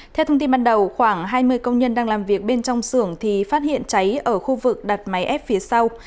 theo thông tin ban đầu khoảng hai mươi công nhân đang làm việc bên trong xưởng thì phát hiện cháy ở khu vực đặt máy ép phía sau